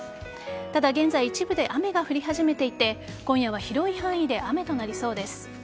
ただ、現在一部で雨が降り始めていて今夜は広い範囲で雨となりそうです。